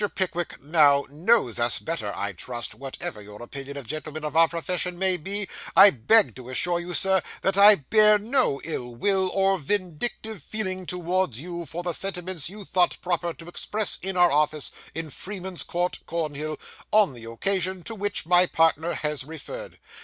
Pickwick now knows us better, I trust; whatever your opinion of gentlemen of our profession may be, I beg to assure you, sir, that I bear no ill will or vindictive feeling towards you for the sentiments you thought proper to express in our office in Freeman's Court, Cornhill, on the occasion to which my partner has referred.